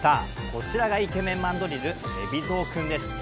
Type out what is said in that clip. こちらがイケメンマンドリルエビゾウ君です